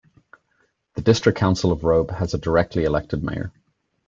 The District Council of Robe has a directly-elected mayor.